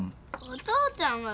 お父ちゃんが？